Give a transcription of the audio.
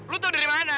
lu tau dari mana